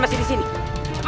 aku sudah selesai